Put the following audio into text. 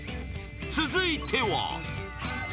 ［続いては］